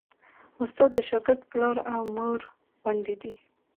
استاد د شاګرد پلار او مور غوندې دی.